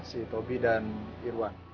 si tobi dan irwan